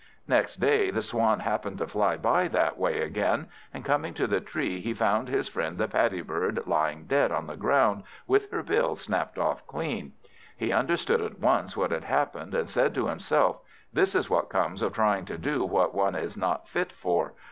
Next day, the Swan happened to fly by that way again; and coming to the tree, he found his friend the Paddy bird lying dead on the ground, with her bill snapt off clean. He understood at once what had happened, and said to himself, "This is what comes of trying to do what one is not fit for.